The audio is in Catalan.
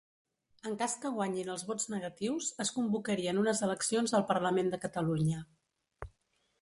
En cas que guanyin els vots negatius, es convocarien unes eleccions al Parlament de Catalunya.